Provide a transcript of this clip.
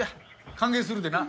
歓迎するでな。